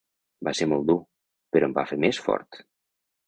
Va ser molt dur, però em va fer més fort.